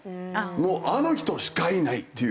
もうあの人しかいないっていう。